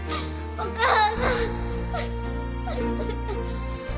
お母さん！